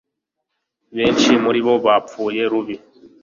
Benshi muri bo bapfuye rubi.